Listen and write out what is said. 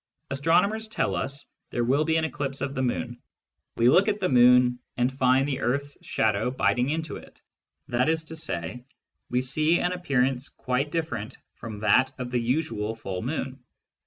Astronomers tell us there will be an eclipse of the moon : we look at the moon, and find the earth's shadow biting into it, that is to say, we see an appearance quite different from that of the usual full moon.